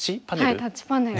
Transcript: はいタッチパネル。